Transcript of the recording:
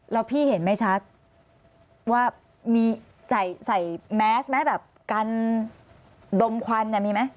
แล้วพี่เห็นไม่ชัดว่ามีใส่แมสไหมแบบกันดมควันเนี่ยมีไหม